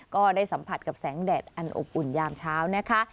ก็ได้สัมผัสกับแสงแดดอันอบอุ่นยามเช้านะคะ